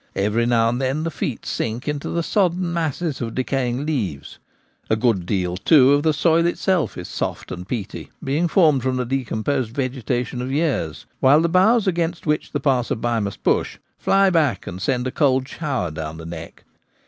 Every now and then the feet sink into soddened masses of decaying leaves — a good deal, too, of the soil itself is soft and 42 The Gamekeeper at Home. peaty, being formed from the decomposed vegetation of years ; while the boughs against which the passer by must push fly back and send a cold shower down the neck.